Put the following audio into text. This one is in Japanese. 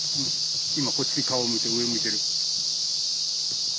今こっち顔向いて上向いてる。